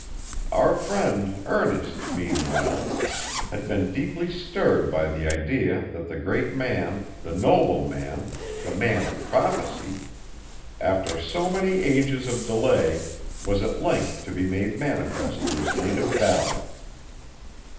Our friend Ernest, meanwhile, had been deeply stirred by the idea that the great man, the noble man, the man of prophecy, after so many ages of delay, was at length to be made manifest to his native valley.